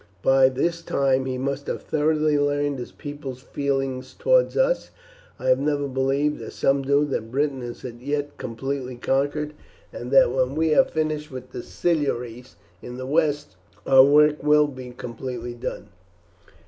By this time he must have thoroughly learned his people's feelings towards us. I have never believed, as some do, that Britain is as yet completely conquered, and that when we have finished with the Silures in the west our work will be completely done.